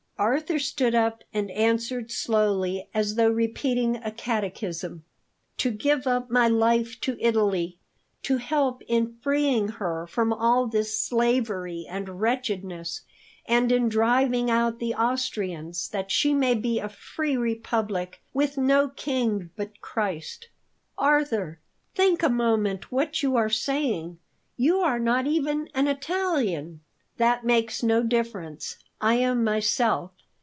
Arthur stood up and answered slowly, as though repeating a catechism: "To give up my life to Italy, to help in freeing her from all this slavery and wretchedness, and in driving out the Austrians, that she may be a free republic, with no king but Christ." "Arthur, think a moment what you are saying! You are not even an Italian." "That makes no difference; I am myself.